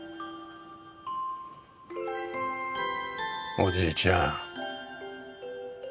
おじいちゃん。